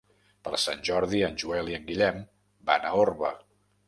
Per Sant Jordi en Joel i en Guillem van a Orba.